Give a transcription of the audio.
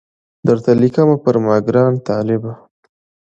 درته لیکمه پر ما ګران طالبه